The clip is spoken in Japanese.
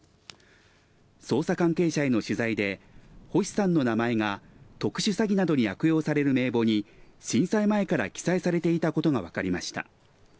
捜査関係者への取材で星さんの名前が特殊詐欺などに悪用される名簿に震災前から記載されていたことがわかりました。